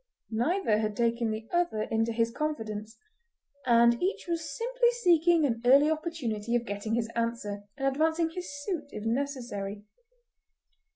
Neither had taken the other into his confidence, and each was simply seeking an early opportunity of getting his answer, and advancing his suit if necessary.